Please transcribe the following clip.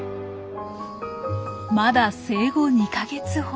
まだ生後２か月ほど。